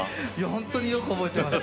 ほんとによく覚えてます。